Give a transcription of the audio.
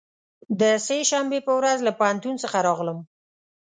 د سه شنبې په ورځ له پوهنتون څخه راغلم.